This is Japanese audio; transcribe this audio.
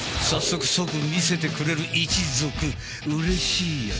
秡畭即見せてくれる一族うれしいやね